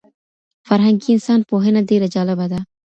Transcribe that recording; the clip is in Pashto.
فرهنګي انسان پوهنه ډېره جالبه ده.